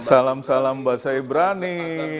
salam salam mbah syai brani